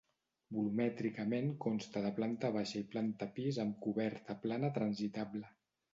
Volumètricament consta de planta baixa i planta pis amb coberta plana transitable.